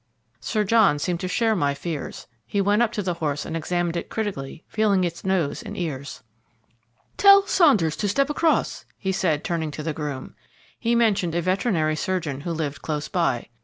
Sir John seemed to share my fears. He went up to the horse and examined it critically, feeling its nose and ears. "Tell Saunders to step across," he said, turning to the groom. He mentioned a veterinary surgeon who lived close by.